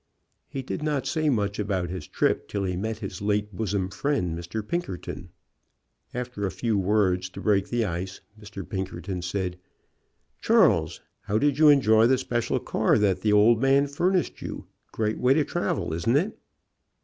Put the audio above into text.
He did not say much about his trip till he met his late bosom friend, Mr. Pinkerton. After a few words to break the ice Mr. Pinkerton said : "Charles, how did you enjoy the special car that the old man furnished you? Great way to travel, isn't it?"